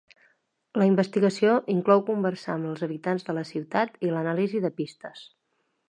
La investigació inclou conversar amb els habitants de la ciutat i l'anàlisi de pistes.